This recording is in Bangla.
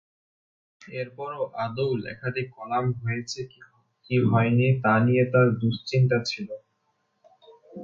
এরপরও আদৌ লেখাটি কলাম হয়েছে কি হয়নি তা নিয়ে তার দুশ্চিন্তা ছিল।